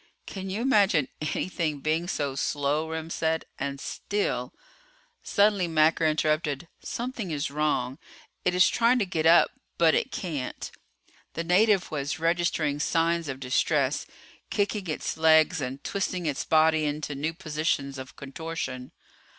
"Can you imagine anything being so slow," Remm said, "and still ..." Suddenly Macker interrupted. "Something is wrong. It is trying to get up, but it can't." The native was registering signs of distress, kicking its legs and twisting its body into new positions of contortion.